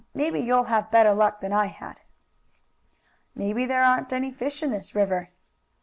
Maybe you'll have better luck than I had." "Maybe there aren't any fish in this river."